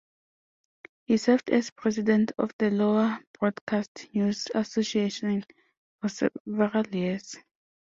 He served as President of the Iowa Broadcast News Association for several years.